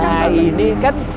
nah ini kan